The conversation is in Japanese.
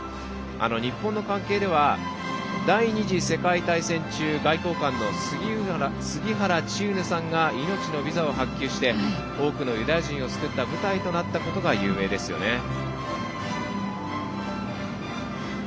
日本との関係では第２次世界大戦中外交官の杉原千畝さんが命のビザを発給して多くのユダヤ人を救った舞台となったことが有名ですよね。